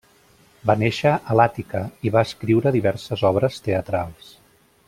Va néixer a l'Àtica, i va escriure diverses obres teatrals.